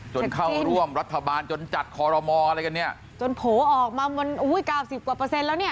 จนเข้าร่วมรัฐบาลจนจัดขอรมออะไรกันจนโผล่ออกมา๙๐กว่าเปอร์เซ็นต์แล้ว